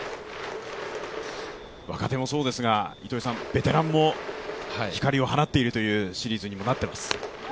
若手もそうですが、ベテランも光を放っているシリーズになっています。